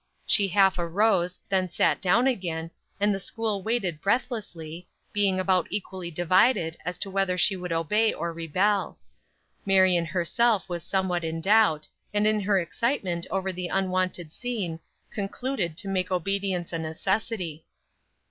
She half arose, then sat down again, and the school waited breathlessly, being about equally divided as to whether she would obey or rebel. Marion herself was somewhat in doubt, and in her excitement over the unwonted scene, concluded to make obedience a necessity.